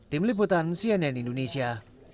tim liputan cnn indonesia